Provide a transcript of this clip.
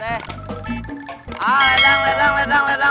ledang ledang ledang ledang